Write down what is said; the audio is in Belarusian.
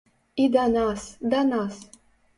І да нас, да нас!